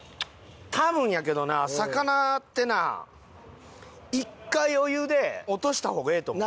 多分やけどな魚ってな１回お湯で落とした方がええと思う。